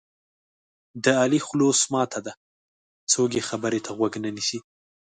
د علي خوله اوس ماته ده څوک یې خبرې ته غوږ نه نیسي.